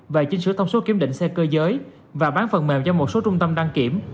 và chỉnh sửa thông số kiểm định xe cơ giới và bán phần mềm cho một số trung tâm đăng kiểm